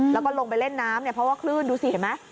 แล้วก็ลงไปเล่นน้ำเนี่ยเพราะว่าคลื่นดูสิเห็นไหม